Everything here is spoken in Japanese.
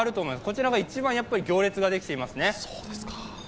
こちらが一番行列ができていますね。